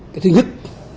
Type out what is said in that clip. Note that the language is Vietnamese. cái thứ nhất